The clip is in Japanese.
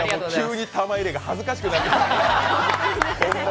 急に玉入れが恥ずかしくなりました。